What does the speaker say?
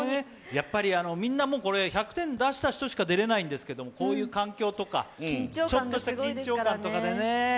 みんなこれ、１００点出した人しか出られないんですけど、こういう環境とかちょっとした緊張感で。